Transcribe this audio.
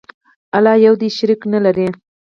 الله یو دی، شریک نه لري.